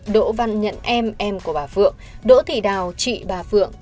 đỗ văn nhận em em em của bà phượng đỗ thị đào chị bà phượng